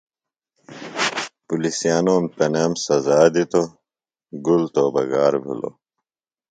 پُلِسیانوم تنام سزا دِتوۡ۔ گُل توبہ گار بِھلوۡ۔